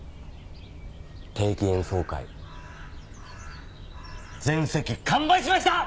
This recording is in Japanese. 定期演奏会全席完売しました！